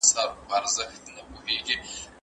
سوغاتونه هيڅکله د ولور ځای نه سي نيولای.